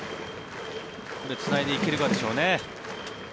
つないでいけるかでしょうね。